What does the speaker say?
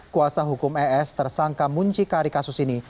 kuasa hukum es tersangka muncikari kasus ini